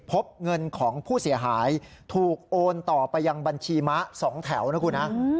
พบเงินของผู้เสียหายถูกโอนต่อไปยังบัญชีม้า๒แถวนะคุณฮะ